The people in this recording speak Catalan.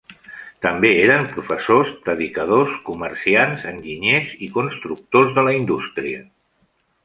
També eren professors, predicadors, comerciants, enginyers i constructors de la indústria.